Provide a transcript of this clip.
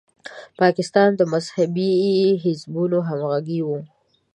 د پاکستان مذهبي حزبونه همغږي وو.